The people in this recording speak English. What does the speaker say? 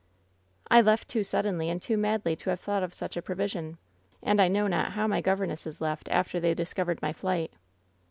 " T left too suddenly and too madly to have thought of such a provision— and I know not how my govern esses left after they discovered my flight.'